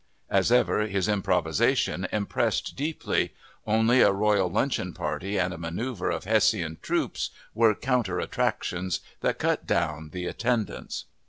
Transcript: As ever, his improvisation impressed deeply—only a royal luncheon party and a maneuver of Hessian troops were counter attractions that cut down the attendance.